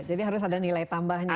jadi harus ada nilai tambahnya